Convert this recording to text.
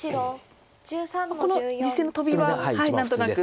この実戦のトビは何となく。